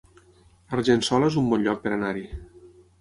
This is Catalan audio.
Argençola es un bon lloc per anar-hi